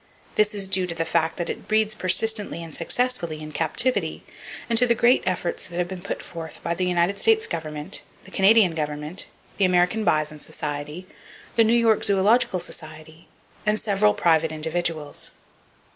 This is due to the fact that it breeds persistently and successfully in captivity, and to the great efforts that have been put forth by the United States Government, the Canadian Government, the American Bison Society, the New York Zoological Society, and several private individuals.